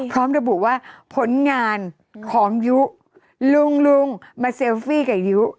พร้อมระบุว่าผลงานของยุลุงลุงมาเซลฟี่กับยุ